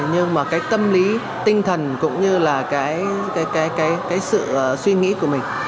nhưng mà cái tâm lý tinh thần cũng như là cái sự suy nghĩ của mình